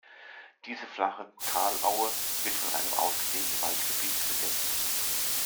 Diese flache Talaue wird von einem ausgedehnten Waldgebiet bedeckt.